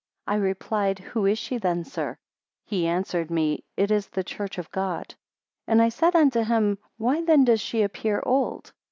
I replied, Who is she then, sir? He answered me, It is the church of God. 33 And I said unto him, Why then does she appear old?